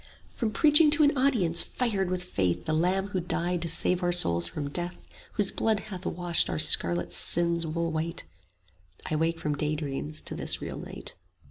From preaching to an audience fired with faith The Lamb who died to save our souls from death, Whose blood hath washed our scarlet sins wool white: 35 I wake from daydreams to this real night.